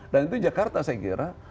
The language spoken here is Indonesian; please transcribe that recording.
dan itu jakarta saya kira